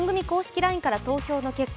ＬＩＮＥから投票の結果